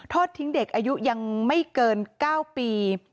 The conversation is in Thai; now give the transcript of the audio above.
ทิ้งเด็กอายุยังไม่เกิน๙ปี